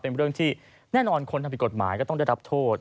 เป็นเรื่องที่แน่นอนคนทำผิดกฎหมายก็ต้องได้รับโทษ